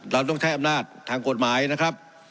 เราต้องใช้อำนาจทางกฎหมายนะครับ